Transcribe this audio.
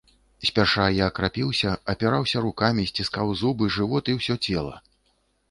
Спярша я крапіўся, апіраўся рукамі, сціскаў зубы, жывот і ўсё цела.